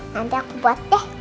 nanti aku buat deh